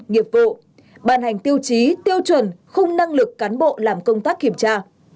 nghiệp vụ bàn hành tiêu chí tiêu chuẩn không năng lực cán bộ làm công tác kiểm tra